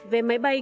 về máy bay